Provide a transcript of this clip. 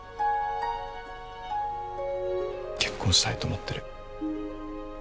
結婚したいと思ってる。